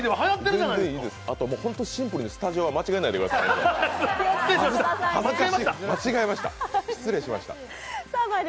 あと、ほんとシンプルにスタジオは間違わないでください。